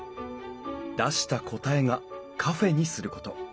出した答えがカフェにすること。